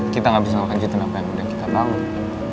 kita gak bisa melanjutkan apa yang udah kita bangun